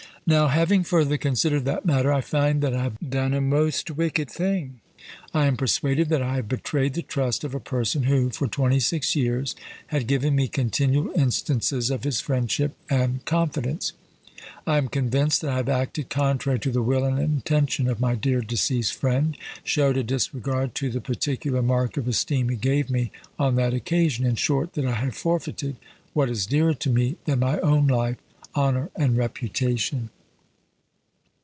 Now, having further considered that matter, I find that I have done a most wicked thing. I am persuaded that I have betrayed the trust of a person who, for twenty six years, had given me continual instances of his friendship and confidence. I am convinced that I have acted contrary to the will and intention of my dear deceased friend; showed a disregard to the particular mark of esteem he gave me on that occasion; in short, that I have forfeited what is dearer to me than my own life honour and reputation.